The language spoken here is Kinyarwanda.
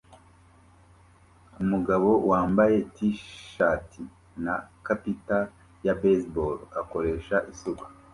Umugabo wambaye t-shati na capita ya baseball akoresha isuka